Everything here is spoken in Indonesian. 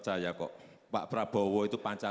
saya sambil logasi findsip evo ya